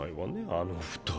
あの２人。